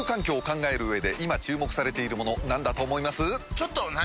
ちょっと何？